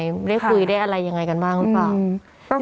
ได้คุยได้อะไรยังไงกันบ้างหรือเปล่า